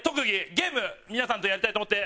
ゲーム皆さんとやりたいと思って。